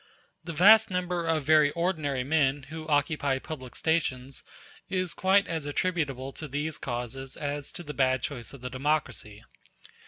The vast number of very ordinary men who occupy public stations is quite as attributable to these causes as to the bad choice of the democracy.